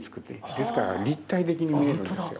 ですから立体的に見えるんですよ。